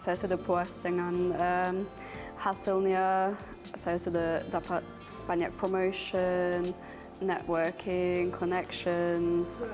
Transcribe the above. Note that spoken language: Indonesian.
saya sedang puas dengan hasilnya saya sudah dapat banyak promosi networking connection